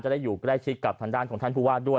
จะได้อยู่ใกล้ที่ด้านของท่านผู้ว่านด้วย